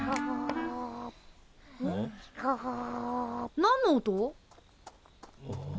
何の音？ん？